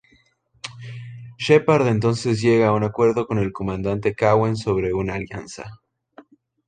Sheppard entonces llega un acuerdo con el Comandante Cowen sobre una alianza.